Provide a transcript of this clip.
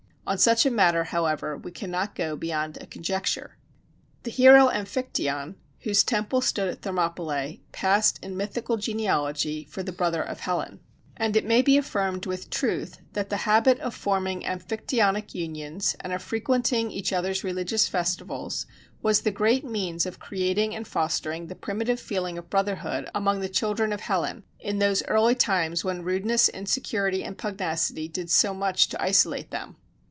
On such a matter, however, we cannot go beyond a conjecture. The hero Amphictyon, whose temple stood at Thermopylæ, passed in mythical genealogy for the brother of Hellen. And it may be affirmed, with truth, that the habit of forming Amphictyonic unions, and of frequenting each other's religious festivals, was the great means of creating and fostering the primitive feeling of brotherhood among the children of Hellen, in those early times when rudeness, insecurity, and pugnacity did so much to isolate them.